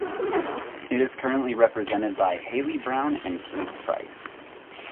It is currently represented by Haley Browne and Keith Price.